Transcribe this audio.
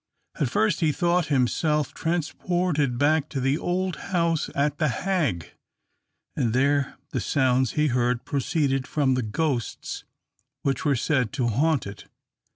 At first, he thought himself transported back to the old house at the Hagg, and that the sounds he heard proceeded from the ghosts which were said to haunt it.